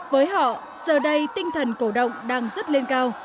với họ giờ đây tinh thần cổ động đang rất lên cao